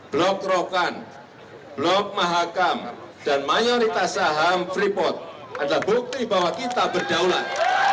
blok rokan blok mahakam dan mayoritas saham freeport adalah bukti bahwa kita berdaulat